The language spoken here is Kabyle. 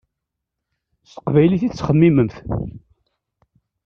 S teqbaylit i tettxemmimemt.